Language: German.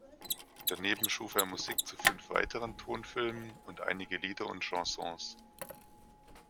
Daneben schuf er Musik zu fünf weiteren Tonfilmen und einige Lieder und Chansons.